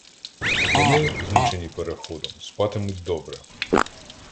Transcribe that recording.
Вони, змучені переходом, спатимуть добре.